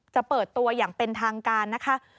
จะเปิดตัวอย่างเป็นทางการนะคะ